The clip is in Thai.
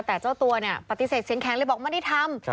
แต่เจ้าตัวเนี่ยปฏิเสธเสียงแข็งเลยบอกไม่ได้ทำ